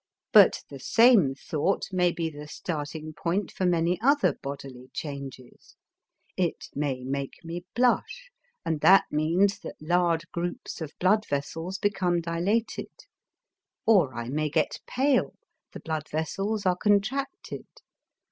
But the same thought may be the starting point for many other bodily changes; it may make me blush, and that means that large groups of blood vessels become dilated; or I may get pale, the blood vessels are contracted.